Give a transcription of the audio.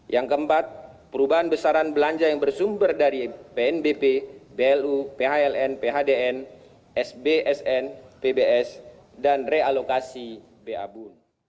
yang keempat perubahan besaran belanja yang bersumber dari pnbp blu phln phdn sbsn pbs dan realokasi babun